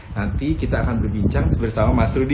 nanti kita akan berbincang bersama mas rudy